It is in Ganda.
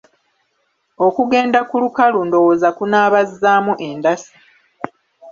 Okugenda ku lukalu ndowooza kunaabazzaamu endasi.